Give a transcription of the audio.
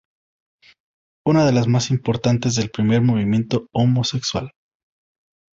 Una de las más importantes del primer movimiento homosexual.